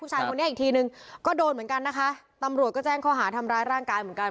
ชายคนนี้อีกทีนึงก็โดนเหมือนกันนะคะตำรวจก็แจ้งข้อหาทำร้ายร่างกายเหมือนกัน